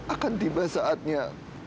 akan tiba saatnya